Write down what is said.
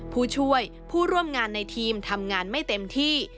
ผู้ช่วยผู้ร่วมงานในทีมทำงานไม่เต็มที่